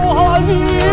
ustaz lu sana bencana